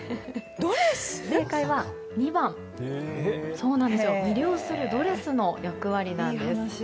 正解は、２番魅了するドレスの役割なんです。